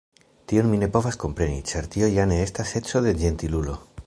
Tion mi ne povas kompreni, ĉar tio ja ne estas eco de ĝentilulo.